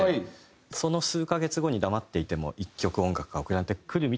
その数カ月後に黙っていても１曲音楽が送られてくるみたいな。